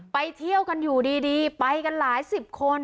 ไปเที่ยวกันอยู่ดีไปกันหลายสิบคน